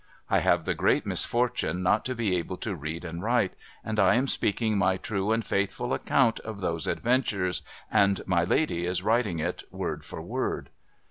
I have the great misfortune not to be able to read and write, and I am speaking my true and faithful account of those Adventures, and my lady is writing it, word for word.